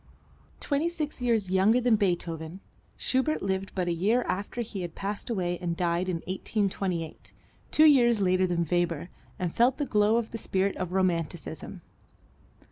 Twenty six years younger than Beethoven Schubert lived but a year after he had passed away and died in 1828, two years later than Weber, and felt the glow of the spirit of romanticism.